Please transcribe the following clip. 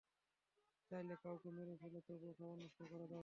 চাইলে কাউকে মেরে ফেল, তবুও খাবার নষ্ট করা যাবে না।